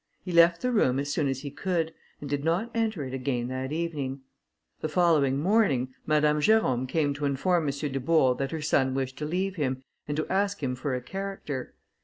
He left the room as soon as he could, and did not enter it again that evening. The following morning, Madame Jerôme came to inform M. Dubourg that her son wished to leave him, and to ask him for a character.